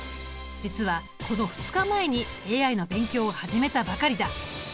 実はこの２日前にＡＩの勉強を始めたばかりだ。